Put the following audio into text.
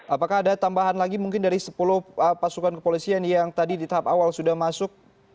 apakah ada tambahan lagi mungkin dari sepuluh pasukan kepolisian yang tadi di tahap awal sudah masuk